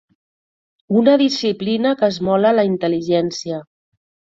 Una disciplina que esmola la intel·ligència.